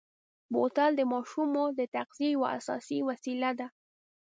بوتل د ماشومو د تغذیې یوه اساسي وسیله ده.